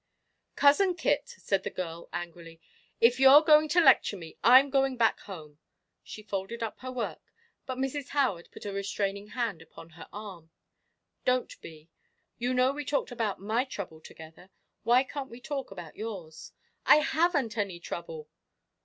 "Cousin Kit," said the girl, angrily, "if you're going to lecture me, I'm going back home." She folded up her work, but Mrs. Howard put a restraining hand upon her arm. "Don't, Bee. You know we talked about my trouble together why can't we talk about yours?" "I haven't any trouble!"